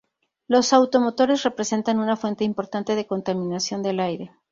Los automotores representan una fuente importante de contaminación del aire.